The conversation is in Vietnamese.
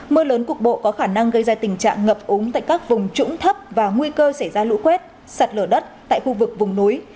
mưa lớn cục bộ có khả năng gây ra tình trạng ngập úng tại các vùng trũng thấp và nguy cơ xảy ra lũ quét sạt lở đất tại khu vực vùng núi